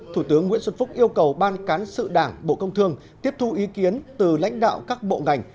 thủ tướng nguyễn xuân phúc yêu cầu ban cán sự đảng bộ công thương tiếp thu ý kiến từ lãnh đạo các bộ ngành